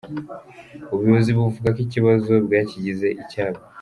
Ubuyobozi buvuga ko ikibazo bwakigize icyabwo.